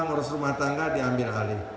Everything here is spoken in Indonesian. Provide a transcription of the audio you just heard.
pengurus rumah tangga diambil alih